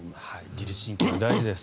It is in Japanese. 自律神経は大事です。